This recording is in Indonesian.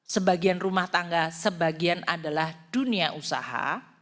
sebagian rumah tangga sebagian adalah dunia usaha